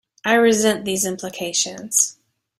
I resent these implications.